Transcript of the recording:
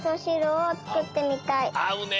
あうね！